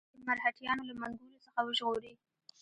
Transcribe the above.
دوی د مرهټیانو له منګولو څخه وژغوري.